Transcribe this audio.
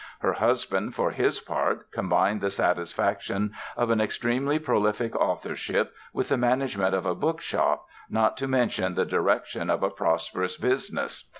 Her husband for his part combined the satisfactions of an extremely prolific authorship with the management of a bookshop, not to mention the direction of a prosperous business.